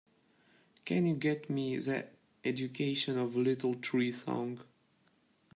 Can you get me The Education of Little Tree song?